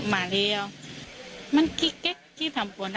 ไม่มี